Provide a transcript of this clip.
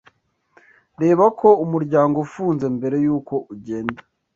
Reba ko umuryango ufunze mbere yuko ugenda.